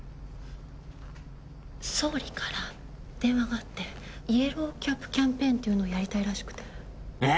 総理から電話があってイエローキャップキャンペーンっていうのをやりたいらしくて。